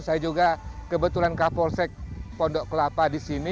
saya juga kebetulan kapolsek pondok kelapa di sini